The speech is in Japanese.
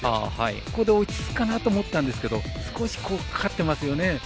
ここで落ち着くかなと思ったんですが少しかかってますよね。